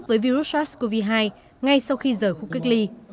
với virus sars cov hai ngay sau khi rời khu cách ly